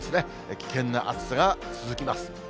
危険な暑さが続きます。